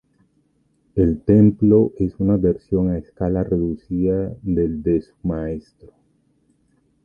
El templo es una versión a escala reducida del de su maestro.